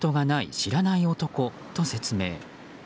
知らない男と説明。